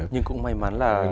nhưng cũng may mắn là